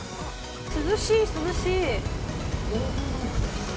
涼しい、涼しい。